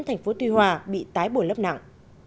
thành phố tuy hòa bị tái bồi lấp nặng